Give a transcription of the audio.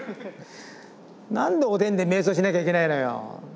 何でおでんで瞑想しなきゃいけないのよ。